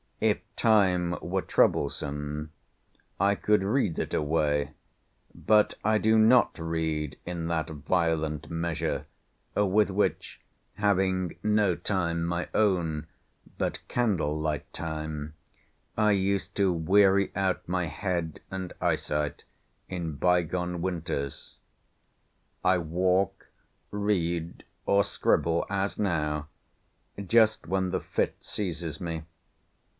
If Time were troublesome, I could read it away, but I do not read in that violent measure, with which, having no Time my own but candlelight Time, I used to weary out my head and eyesight in by gone winters. I walk, read or scribble (as now) just when the fit seizes me.